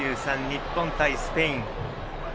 日本対スペイン。